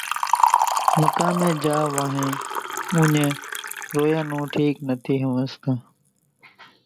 مقامين جھا وانھين اُوڃان روئون ٺيڪ نٿي ۿمزاتون۔